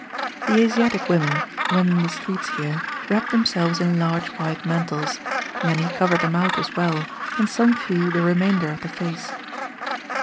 The Asiatic women, when in the streets here, wrap themselves in large white mantles; many cover the mouth as well, and some few the remainder of the face.